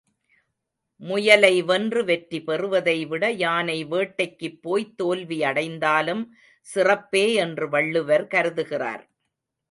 முயலை வென்று வெற்றிபெறுவதைவிட யானை வேட்டைக்குப்போய்த் தோல்வி அடைந்தாலும் சிறப்பே என்று வள்ளுவர் கருதுகிறார்.